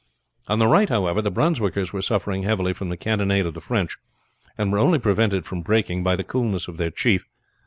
On the right, however, the Brunswickers were suffering heavily from the cannonade of the French, and were only prevented from breaking by the coolness of their chief.